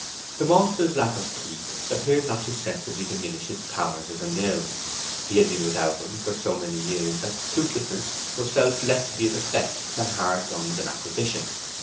The maltster's lack of teeth appeared not to sensibly diminish his powers as a mill. He had been without them for so many years that toothlessness was felt less to be a defect than hard gums an acquisition.